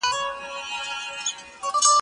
دمیني لفظ له شاعره هیردی